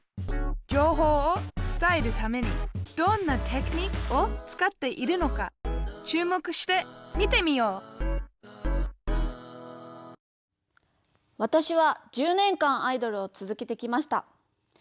情報を伝えるためにどんなテクニックを使っているのか注目して見てみようわたしは１０年間アイドルを続けてきました。